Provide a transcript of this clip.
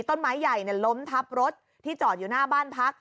ต้นไม้ใหญ่ล้มทับรถที่จอดอยู่หน้าบ้านพัก